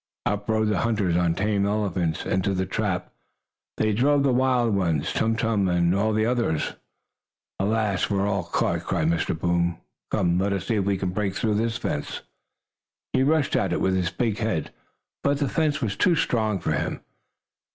Up rode the hunters on tame elephants. Into the trap they drove the wild ones, Tum Tum and all the others. "Alas! We are caught!" cried Mr. Boom. "Come, let us see if we cannot break through this fence!" He rushed at it with his big head, but the fence was too strong for him.